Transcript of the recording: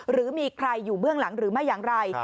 หรือมีใครอยู่เบื้องหลังหรือไม่อย่างไร